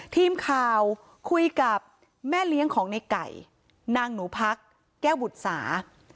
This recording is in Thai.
ทีมข่าวคุยกับแม่เลี้ยงของในไก่นางหนูพักแก้วบุษา